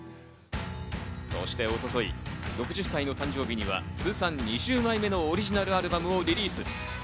そして一昨日、６０歳の誕生日には通算２０枚目のオリジナルアルバムをリリース。